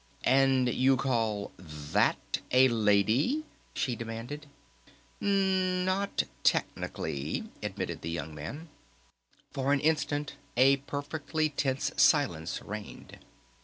"And you call that a lady?" she demanded. "N not technically," admitted the young man. For an instant a perfectly tense silence reigned.